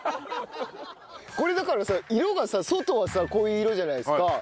これだからさ色がさ外はさこういう色じゃないですか。